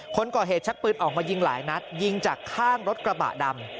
คนก่อเหตุชักปืนออกมายิงหลายนัดยิงจากข้างรถกระบะดำ